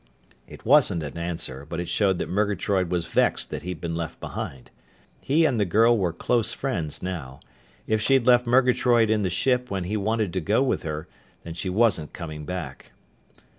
It wasn't an answer, but it showed that Murgatroyd was vexed that he'd been left behind. He and the girl were close friends, now. If she'd left Murgatroyd in the ship when he wanted to go with her, then she wasn't coming back.